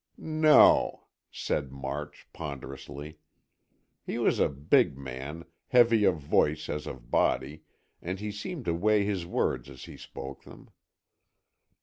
"No," said March, ponderously. He was a big man, heavy of voice as of body, and he seemed to weigh his words as he spoke them.